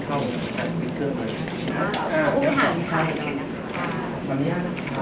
ขอบคุณค่ะ